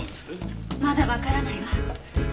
まだわからないわ。